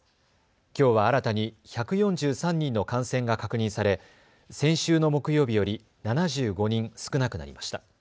きょうは新たに１４３人の感染が確認され先週の木曜日より７５人少なくなりました。